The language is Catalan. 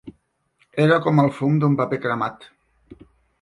Era com el fum d'un paper cremat.